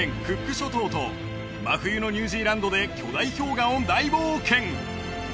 諸島と真冬のニュージーランドで巨大氷河を大冒険！